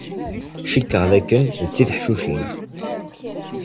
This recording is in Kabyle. Cikkeɣ dakken d tifeḥcucin.